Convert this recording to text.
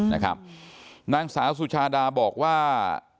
นางสาวสุชาดาบอกว่า